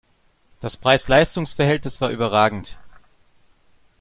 Das Preis-Leistungs-Verhältnis war überragend!